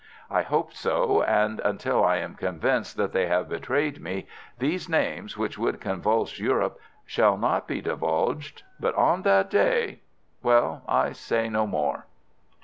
I hope so, and until I am convinced that they have betrayed me, these names, which would convulse Europe, shall not be divulged. But on that day ... well, I say no more!